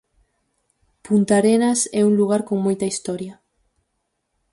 Punta Arenas é un lugar con moita historia.